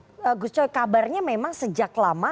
oke gus coy kabarnya memang sejak lama